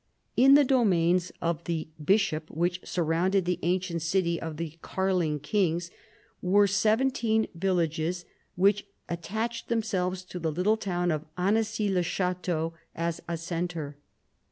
In the domains of the bishop which surrounded the ancient city of the Karling kings were seventeen villages which attached themselves to the little town of Anizi le Chateau as a centre.